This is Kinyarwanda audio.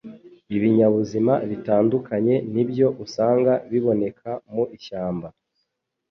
ibinyabuzima bitandukanye nibyo usanga biboneka mu ishyamba